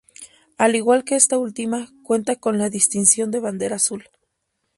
Al igual que esta última, cuenta con la distinción de bandera azul.